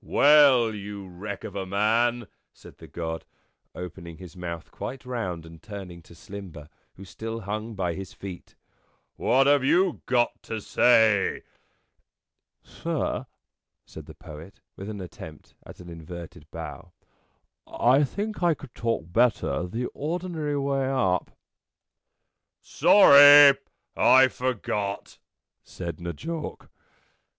" Well, you wreck of a man," said the God, opening his mouth quite round, and turning to Slimber, who still hung by his feet, "what have you got to say?" " Sir," said the Poet, with an attempt at an inverted bow, " I think I could talk better the ordinary way up." 38 N' JAWK " Sorry. I forgot," said N' Jawk.